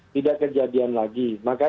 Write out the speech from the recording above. tidak kejadian lagi